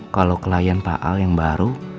kalau klien pak al yang baru